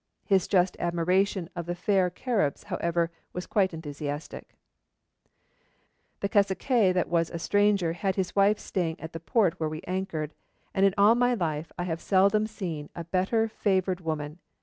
His just admiration of the fair Caribs, however, was quite enthusiastic: The casique that was a stranger had his wife staying at the port where we anchored, and in all my life I have seldom seen a better favoured woman.